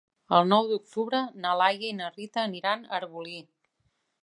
El nou d'octubre na Laia i na Rita aniran a Arbolí.